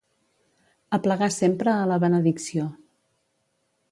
Aplegar sempre a la benedicció.